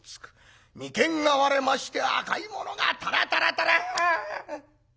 眉間が割れまして赤いものがタラタラタラ！